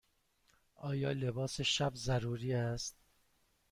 آیا لباس شب ضروری است؟